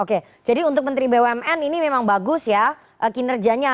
oke jadi untuk menteri bumn ini memang bagus ya kinerjanya